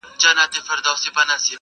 o اختر پټ مېړه نه دئ٫